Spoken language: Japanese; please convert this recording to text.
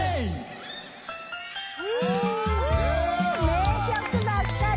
名曲ばっかり！